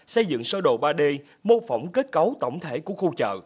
xây dựng sơ đồ ba d mô phỏng kết cấu tổng thể của khu chợ